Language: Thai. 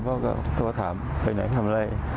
เขาก็โทรถามไปไหนทำอะไร